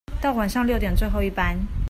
到晚上六點最後一班